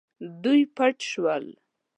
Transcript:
دوی پټ شول.